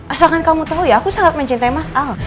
asalkan kamu tahu ya aku sangat mencintai mas al